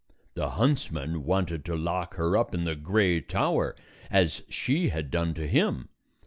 The huntsman wanted to lock her up in the gray tower, as she had done to him.